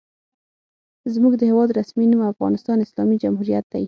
زموږ د هېواد رسمي نوم افغانستان اسلامي جمهوریت دی.